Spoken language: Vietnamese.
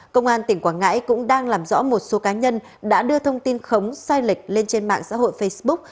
công an tỉnh quảng ngãi cũng đang làm rõ một số cá nhân đã đưa thông tin khống sai lệch lên trên mạng xã hội facebook